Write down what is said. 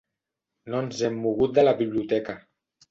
No ens hem mogut de la biblioteca.